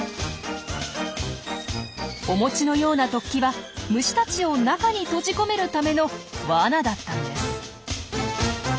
お餅のような突起は虫たちを中に閉じ込めるためのワナだったんです。